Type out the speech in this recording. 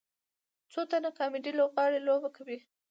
څو تنه کامیډي لوبغاړي لوبه کوي.